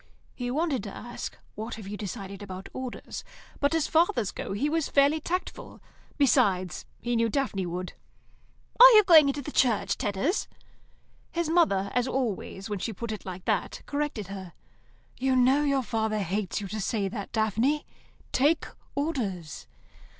He wanted to ask, "What have you decided about Orders?" but, as fathers go, he was fairly tactful. Besides, he knew Daphne would. "Are you going into the Church, Tedders?" Her mother, as always when she put it like that, corrected her. "You know father hates you to say that, Daphne. Take Orders."